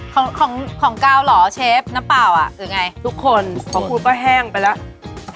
ของของกาวเหรอเชฟน้ำเปล่าอ่ะยังไงทุกคนของครูก็แห้งไปแล้ว